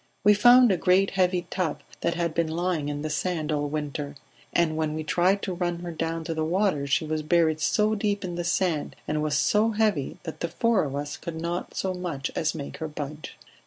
We found a great heavy tub that had been lying in the sand all winter, and when we tried to run her down to the water she was buried so deep in the sand and was so heavy that the four of us could not so much as make her budge.